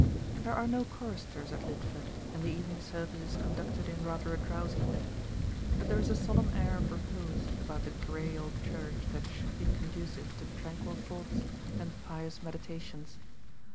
There are no choristers at Lidford, and the evening service is conducted in rather a drowsy way; but there is a solemn air of repose about the gray old church that should be conducive to tranquil thoughts and pious meditations.